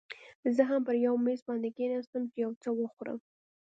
زه هم پر یو میز باندې کښېناستم، چې یو څه وخورم.